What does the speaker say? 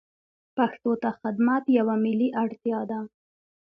پښتو ته خدمت یوه ملي اړتیا ده.